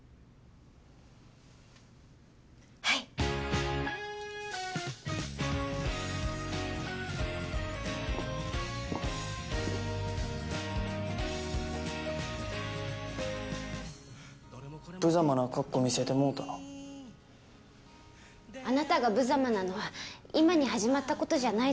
はいぶざまな格好見せてもうたなあなたがぶざまなのは今に始まったことじゃないですよ